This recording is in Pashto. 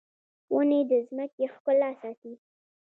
ونې د ځمکې ښکلا ساتي